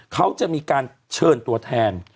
เขาจะมีการเชิญตัวแทน